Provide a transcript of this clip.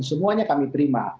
semuanya kami terima